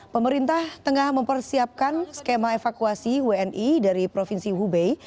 pemerintah tengah mempersiapkan skema evakuasi wni dari provinsi hubei